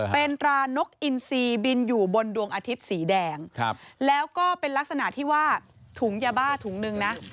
เป็นตรานกอินซีบินอยู่บนดวงอาทิตย์สีแดงแล้วก็เป็นลักษณะที่ว่าถุงยาบ้าถุงนึงนะ